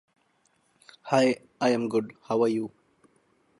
Please, don't do this to him.